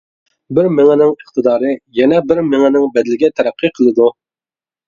بىر مېڭىنىڭ ئىقتىدارى يەنە بىر مېڭىنىڭ بەدىلىگە تەرەققىي قىلىدۇ.